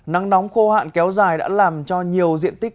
nắng nóng khô hạn kéo dài đã làm cho nhiều diện tích